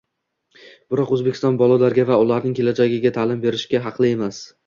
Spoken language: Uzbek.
Biroq, O'zbekiston bolalarga va ularning kelajagiga ta'lim berishga haqli emas